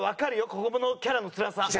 こここのキャラのつらさ。